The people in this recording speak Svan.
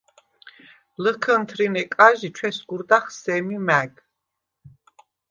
ლჷქჷნთრინე კაჟი ჩვესგურდახ სემი მა̈გ.